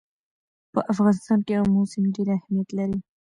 په افغانستان کې آمو سیند ډېر اهمیت لري.